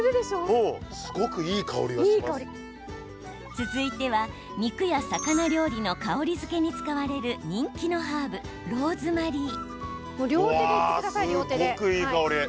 続いては肉や魚料理の香りづけに使われる人気のハーブローズマリー。